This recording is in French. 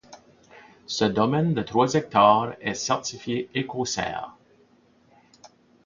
Ce domaine de trois hectares est certifié Écocert.